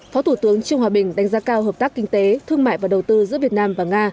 phó thủ tướng trương hòa bình đánh giá cao hợp tác kinh tế thương mại và đầu tư giữa việt nam và nga